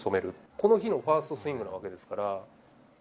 この日のファーストスイングなわけですから。